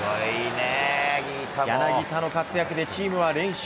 柳田の活躍でチームは連勝。